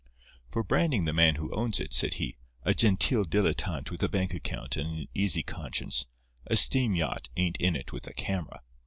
"For branding the man who owns it," said he, "a genteel dilettante with a bank account and an easy conscience, a steam yacht ain't in it with a camera.